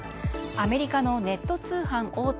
アメリカのネット通販大手